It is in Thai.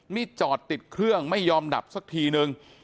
นี่จอดติดเครื่องไม่ยอมดับสักทีนึง